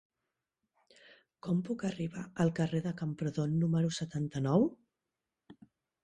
Com puc arribar al carrer de Camprodon número setanta-nou?